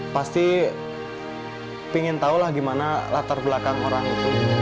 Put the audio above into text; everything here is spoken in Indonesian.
pasti pingin tahulah gimana latar belakang orang itu